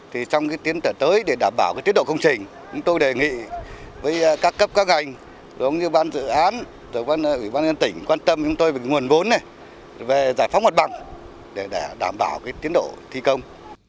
thì trong cái tiến tở tới để đảm bảo cái tiến độ công trình chúng tôi đề nghị với các cấp các ngành giống như ban dự án ủy ban dân tỉnh quan tâm chúng tôi về nguồn vốn này về giải phóng hoạt bằng để đảm bảo cái tiến độ thi công